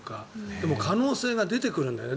でも可能性が出てくるんだよね。